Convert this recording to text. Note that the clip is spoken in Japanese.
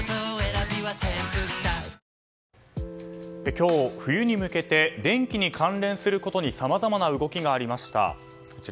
今日、冬に向けて電気に関連することにさまざまな動きがありました。